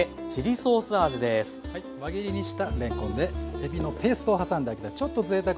輪切りにしたれんこんでえびのペーストを挟んで揚げた